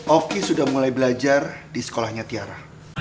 oki sudah mulai belajar di sekolahnya tiara